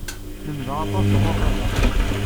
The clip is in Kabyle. Lemmdeɣ-d aṭas sɣur baba.